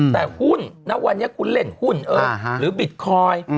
แต่หุ้นณวันนี้คุณเล่นหุ้นหรือบิตคอยน์